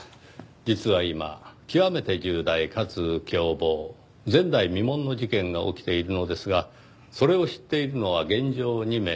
実は今極めて重大かつ凶暴前代未聞の事件が起きているのですがそれを知っているのは現状２名。